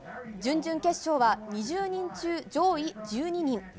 準々決勝は２０人中上位１２人。